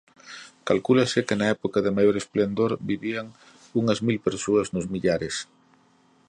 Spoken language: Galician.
Calcúlase que na época de maior esplendor vivían unhas mil persoas nos Millares.